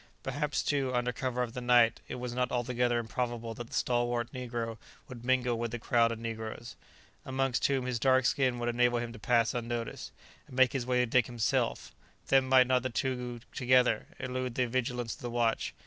Perhaps, too, under cover of the night, it was not altogether improbable that the stalwart negro would mingle with the crowd of negroes (amongst whom his dark skin would enable him to pass unnoticed), and make his way to Dick himself; then might not the two together elude the vigilance of the watch?